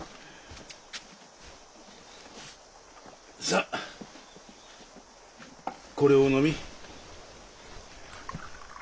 さこれをお飲み。